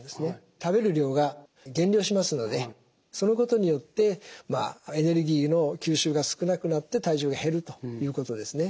食べる量が減量しますのでそのことによってエネルギーの吸収が少なくなって体重が減るということですね。